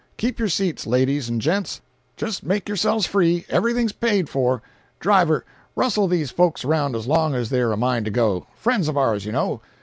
Keep your seats, ladies, and gents. Just make yourselves free—everything's paid for. Driver, rustle these folks around as long as they're a mind to go—friends of ours, you know.